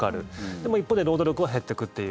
でも、一方で労働力は減っていくという。